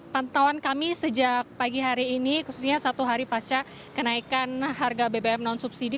pantauan kami sejak pagi hari ini khususnya satu hari pasca kenaikan harga bbm non subsidi